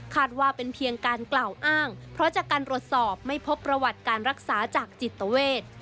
ว่าเป็นเพียงการกล่าวอ้างเพราะจากการตรวจสอบไม่พบประวัติการรักษาจากจิตเวท